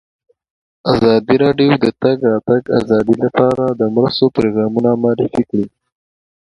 ازادي راډیو د د تګ راتګ ازادي لپاره د مرستو پروګرامونه معرفي کړي.